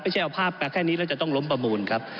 ไม่ใช่เอาภาพมาแค่นี้แล้วจะต้องล้มประมูลครับ